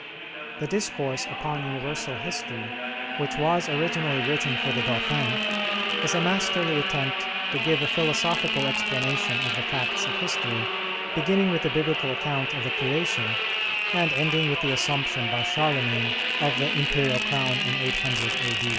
The 'Discourse upon Universal History,' which was originally written for the Dauphin, is a masterly attempt to give a philosophical explanation of the facts of history, beginning with the Biblical account of the Creation, and ending with the assumption by Charlemagne of the imperial crown in 800 A.